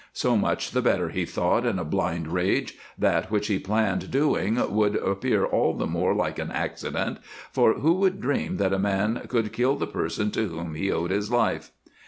So much the better, he thought, in a blind rage; that which he planned doing would appear all the more like an accident, for who would dream that a man could kill the person to whom he owed his life?